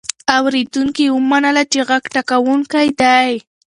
اورېدونکي ومنله چې غږ ټاکونکی دی.